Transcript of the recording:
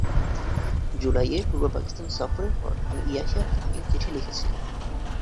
জুলাইয়ে পূর্ব পাকিস্তান সফরের পর আমি ইয়াহিয়া খানকে চিঠি লিখেছিলাম।